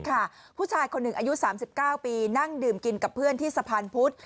ผู้ชายคนหนึ่งอายุ๓๙ปีนั่งดื่มกินกับเพื่อนที่สะพานพุธ